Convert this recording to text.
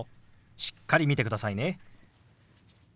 しっかり見てくださいね。